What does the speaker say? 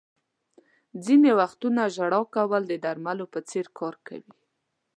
• ځینې وختونه ژړا کول د درملو په څېر کار کوي.